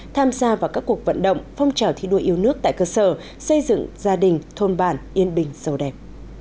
tham gia vào các cuộc vận động phong trào thi đua yêu nước tại cơ sở xây dựng gia đình thôn bản yên bình sâu đẹp